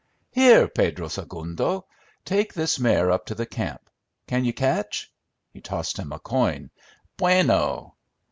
"Here, Pedro Segundo! Take this mare up to the camp! Can you catch?" He tossed him a coin. "Bueno!"